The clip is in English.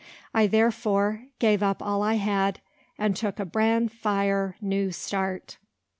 I therefore gave up all I had, and took a bran fire new start.